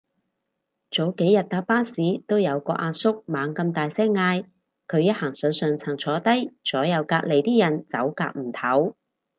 早幾日搭巴士都有個阿叔猛咁大聲嗌，佢一行上上層坐低，左右隔離啲人走夾唔唞